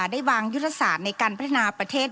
ได้วางยุทธศาสตร์ในการพัฒนาประเทศ